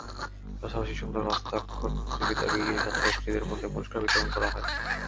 পাশাপাশি সুন্দর হস্তাক্ষর প্রতিযোগিতায় বিজয়ী ছাত্রছাত্রীদের মধ্যে পুরস্কার বিতরণ করা হয়।